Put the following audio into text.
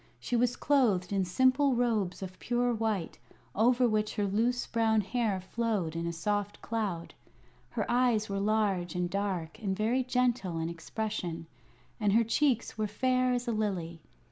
She was clothed in simple robes of pure white, over which her loose brown hair flowed in a soft cloud. Her eyes were large and dark and very gentle in expression, and her cheeks were fair as a lily.